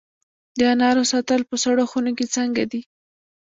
د انارو ساتل په سړو خونو کې څنګه دي؟